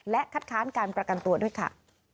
และคัดค้านการประกันตัวด้วยค่ะ